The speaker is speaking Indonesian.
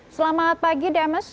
selamat pagi demes